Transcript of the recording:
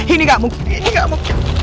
ini gak mungkin ini gak mungkin